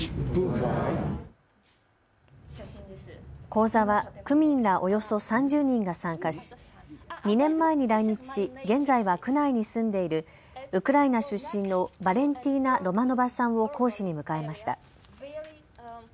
講座は区民らおよそ３０人が参加し２年前に来日し現在は区内に住んでいるウクライナ出身のバレンティーナ・ロマノバさんを講師に迎えました。